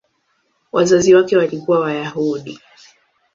Wazazi wake walikuwa Wayahudi.